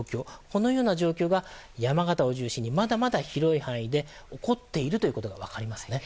このような状況が山形を中心にまだまだ広い範囲で起こっているということが分かりますね。